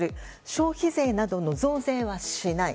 消費税などの増税はしない。